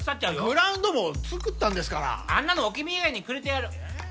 グラウンドもつくったんですからあんなの置き土産にくれてやるえっ？